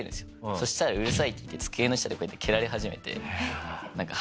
そしてらうるさいって言って机の下でこうやって蹴られ始めて。